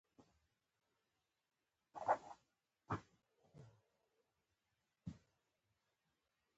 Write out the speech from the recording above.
هغوی د سپوږمۍ پر لرګي باندې خپل احساسات هم لیکل.